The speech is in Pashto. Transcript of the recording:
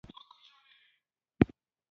چې څوک جوړ کړئ او خپله اصلاح یاست.